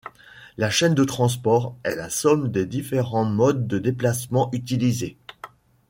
La chaîne de transport est la somme des différents modes de déplacement utilisés.